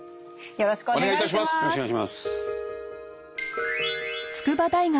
よろしくお願いします。